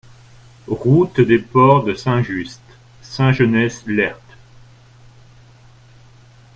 Route des Ports de Saint-Just, Saint-Genest-Lerpt